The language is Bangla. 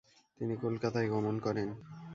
তিনি কলকাতায় গমন করেন।